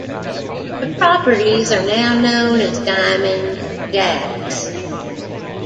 The properties are now known as "Diamond Jack's".